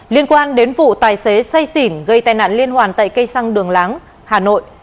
liên quan đến vụ tài xế say xỉn gây tai nạn liên hoàn tại cây xăng đường láng hà nội